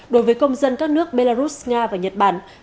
đối với công dân các nước belarus nga và nhật bản